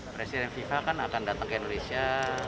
presiden viva akan datang ke indonesia